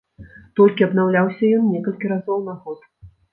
Толькі абнаўляўся ён некалькі разоў на год.